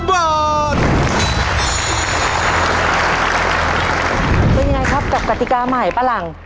เป็นยังไงครับกับกติกาใหม่ป้าหลัง